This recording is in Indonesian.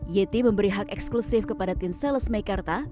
yeti memberi hak eksklusif kepada tim sales meikarta